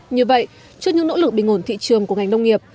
như vậy trước những nỗ lực bình ổn thị trường của ngành nông nghiệp